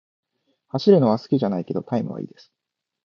走るのは好きじゃないけど、タイムは良いです。